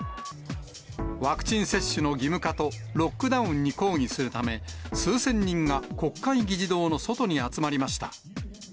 ワクチン接種の義務化とロックダウンに抗議するため、数千人が国会議事堂の外に集まりました。